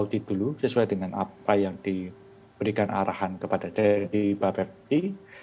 kita coba out of the box dulu sesuai dengan apa yang diberikan arahan kepada bapepri